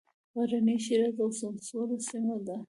غرنۍ ښېرازه او سمسوره سیمه ده.